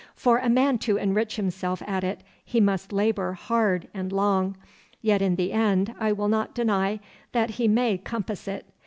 For a man to enrich himself at it he must labour hard and long; yet in the end I will not deny that he may compass it.